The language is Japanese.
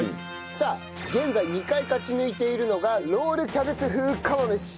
さあ現在２回勝ち抜いているのがロールキャベツ風釜飯。